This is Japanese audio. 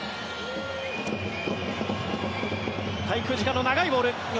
滞空時間の長いボール。